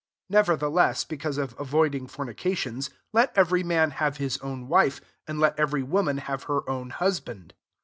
2 Nevertheless, because of avoiding fornications, let every man have his own wife, and let every woman have her own husband.